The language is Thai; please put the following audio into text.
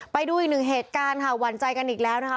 ไปดูอีกหนึ่งเหตุการณ์ค่ะหวั่นใจกันอีกแล้วนะคะ